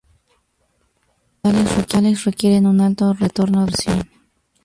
Como tales, requieren un alto retorno de la inversión.